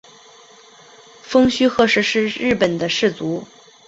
蜂须贺氏是日本的氏族。